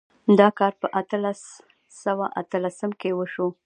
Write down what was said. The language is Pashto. دا کار په کال اتلس سوه اتلسم کې وشو.